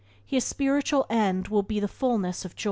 His spiritual end will be the fullness of joy.